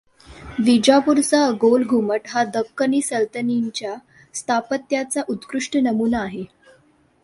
विजापूरचा गोलघुमट हा दख्खनी सल्तनतींच्या स्थापत्याचा उत्कृष्ट नमुना आहे.